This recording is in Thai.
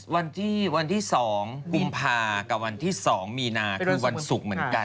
วันที่๒กุมภากับวันที่๒มีนาคือวันศุกร์เหมือนกัน